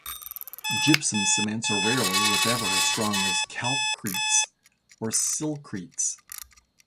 Gypsum cements are rarely, if ever, as strong as calcretes or silcretes.